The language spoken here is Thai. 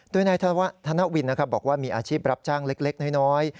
โดยนายธนวินบอกว่ามีอาชีพรับจ้างเล็กน้อย